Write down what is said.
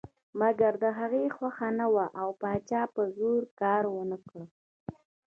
مګر د هغې خوښه نه وه او پاچا په زور کار ونه کړ.